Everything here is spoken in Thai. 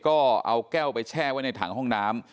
ก็เอาแก้วไปแช่ไว้ในถังห้องน้ำ